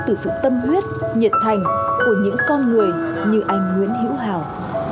từ sự tâm huyết nhiệt thành của những con người như anh nguyễn hữu hào